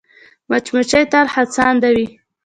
مچمچۍ تل هڅاند وي